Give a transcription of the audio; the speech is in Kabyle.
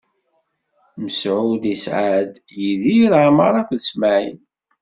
Mesɛud isɛa-d: Yidir, Amaṛa akked Smaɛil.